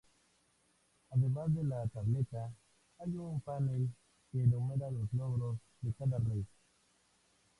Además de la tableta, hay un panel que enumera los logros de cada rey.